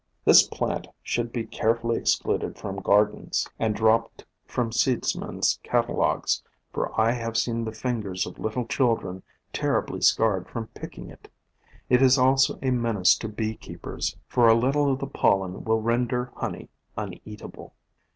This plant should be carefully excluded from gardens, and dropped from POISONOUS PLANTS IJI seedsmen's catalogues, for I have seen the fingers of little children terribly scarred from picking it. It is also a menace to bee keepers, for a little of the pollen will render honey uneatable.